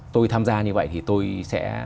tôi tham gia như vậy thì tôi sẽ